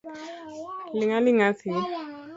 Ling'aling'a thi.